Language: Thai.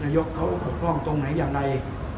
ยกเขาปกพร่องตรงไหนอย่างไร